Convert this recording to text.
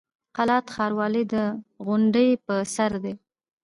قلات ښار ولې د غونډۍ په سر دی؟